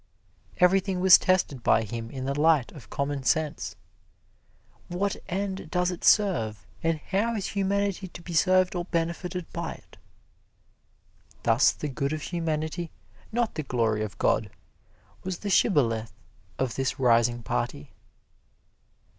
Everything was tested by him in the light of commonsense. What end does it serve and how is humanity to be served or benefited by it? Thus the good of humanity, not the glory of God, was the shibboleth of this rising party.